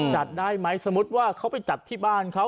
จัดได้ไหมสมมุติว่าเขาไปจัดที่บ้านเขา